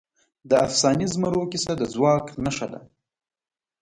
د افسانوي زمرو کیسه د ځواک نښه ده.